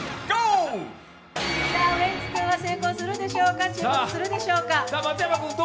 ウエンツ君は成功するんでしょうか、沈没するんでしょうか。